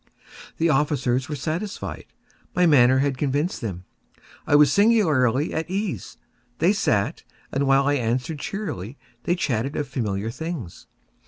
The officers were satisfied. My manner had convinced them. I was singularly at ease. They sat, and while I answered cheerily, they chatted of familiar things.